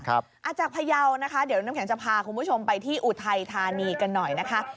จากพยาวนะคะเดี๋ยวน้ำแข็งจะพาคุณผู้ชมไปที่อุทัยธานีกันหน่อยนะคะ